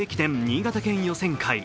新潟県予選会。